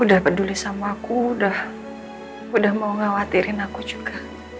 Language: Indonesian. udah peduli sama aku udah mau ngawatirin aku juga